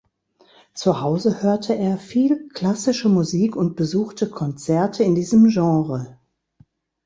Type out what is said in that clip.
Zu Hause hörte er viel klassische Musik und besuchte Konzerte in diesem Genre.